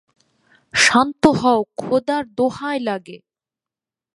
শান্ত হও, খোদার দোহাই লাগে!